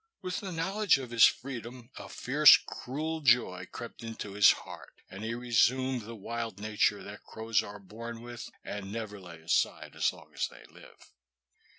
With the knowledge of his freedom a fierce, cruel joy crept into his heart, and he resumed the wild nature that crows are born with and never lay aside as long as they live.